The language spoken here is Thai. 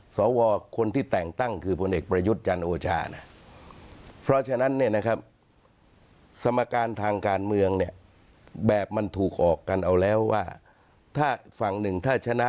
สาววอร์คนที่แต่งตั้งคือผู้เอกประยุทธ์จันทร์โอชานะ